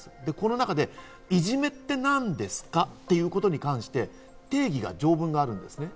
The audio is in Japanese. この中でいじめって何ですかということに関して定義、条文があるんです。